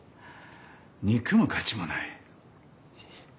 憎む価値もない。